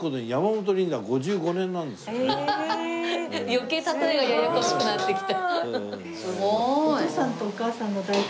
余計例えがややこしくなってきた。